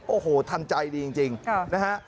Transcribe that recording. โอ้โหทันใจดีจริงนะฮะ